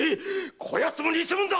こやつも偽者だ！